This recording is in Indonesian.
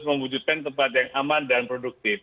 mewujudkan tempat yang aman dan produktif